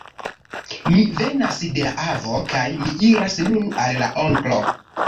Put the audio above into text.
Mi venas de la avo; kaj mi iras nun al la onklo.